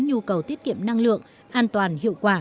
nhu cầu tiết kiệm năng lượng an toàn hiệu quả